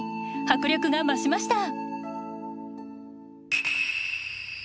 迫力が増しました。